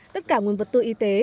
tất cả nguồn vật tư y tế